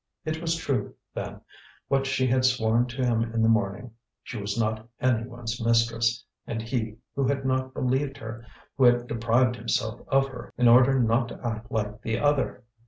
It was true, then, what she had sworn to him in the morning: she was not any one's mistress; and he, who had not believed her, who had deprived himself of her in order not to act like the other!